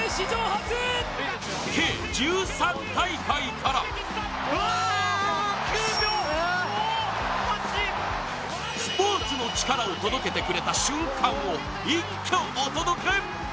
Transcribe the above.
計１３大会からスポーツのチカラを届けてくれた瞬間を一挙、お届け。